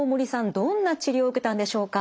どんな治療を受けたんでしょうか。